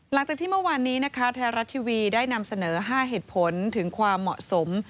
หลังจากที่เมื่อวานนี้นะคะไทยรัฐทีวีได้นำเสนอ๕เหตุผลถึงความเหมาะสม